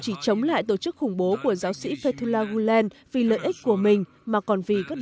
chỉ chống lại tổ chức khủng bố của giáo sĩ fatula gulen vì lợi ích của mình mà còn vì các